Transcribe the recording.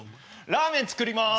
ラーメン作ります。